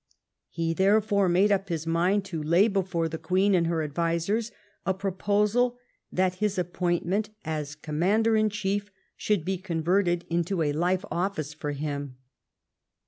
He therefore made up his mind to lay before the Queen and her ad visers a proposal that his appointment as commander^ in chief should be converted into a life office for him.